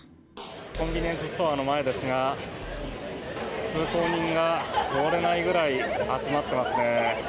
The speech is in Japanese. コンビニエンスストアの前ですが通行人が通れないぐらい集まっていますね。